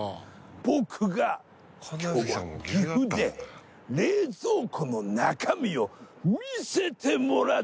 僕が今日は岐阜で冷蔵庫の中身を見せてもらって。